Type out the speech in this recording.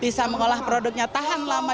bagaimana dia bisa mengolah produknya tahan lama